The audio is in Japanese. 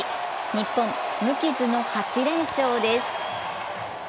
日本、無傷の８連勝です。